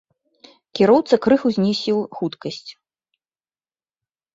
Кіроўца крыху знізіў хуткасць.